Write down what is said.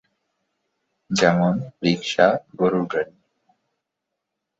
যেমন, রিকশা, গরুর গাড়ি।